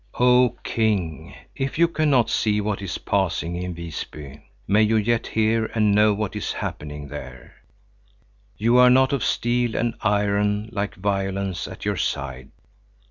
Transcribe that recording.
Oh king, if you cannot see what is passing in Visby, may you yet hear and know what is happening there. You are not of steel and iron, like Violence at your side.